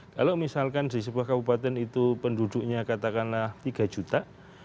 kalau misalkan di sebuah kabupaten itu penduduknya katakanlah tiga juta